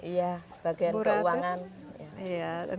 iya bagian keuangan